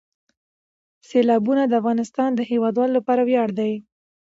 سیلابونه د افغانستان د هیوادوالو لپاره ویاړ دی.